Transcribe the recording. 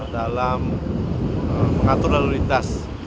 dalam mengatur lalu lintas